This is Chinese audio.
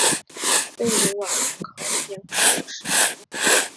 贝卢瓦人口变化图示